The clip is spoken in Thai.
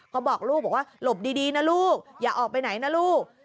ก็บอกลูกบอกว่าหลบดีนะลูกอย่าออกไปไหนนะลูก